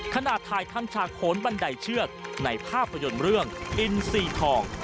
ถ่ายทำฉากโขนบันไดเชือกในภาพยนตร์เรื่องอินซีทอง